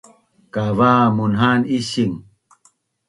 Kava munha’an ising